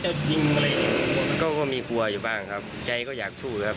จะยิงอะไรอย่างเงี้ยก็ก็มีกลัวอยู่บ้างครับใจก็อยากสู้ครับ